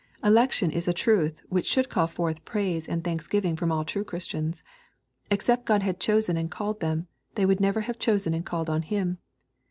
Election is a truth which should call forth praise and thanksgiving from all true Christians. Except God had chosen and called them, they would never have chosen and called on Him.